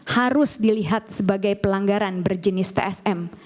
harus dilihat sebagai pelanggaran berjenis tsm